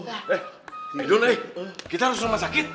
eh nidun kita harus rumah sakit